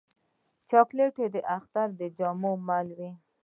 چاکلېټ د اختر د جامو مل وي.